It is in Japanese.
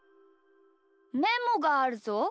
メモがあるぞ？